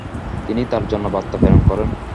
তিনি তাঁর জন্য বার্তা প্রেরণ করেন।